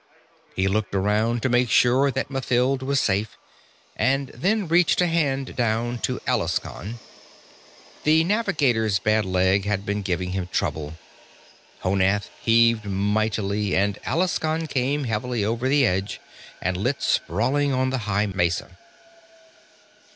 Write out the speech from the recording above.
He looked around to make sure that Mathild was safe, and then reached a hand down to Alaskon. The navigator's bad leg had been giving him trouble. Honath heaved mightily and Alaskon came heavily over the edge and lit sprawling on the high mesa.